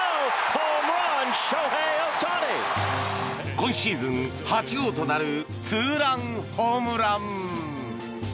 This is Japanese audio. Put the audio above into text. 今シーズン８号となるツーランホームラン。